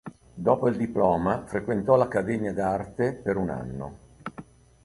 Dopo il diploma frequentò l'Accademia d'Arte per un anno.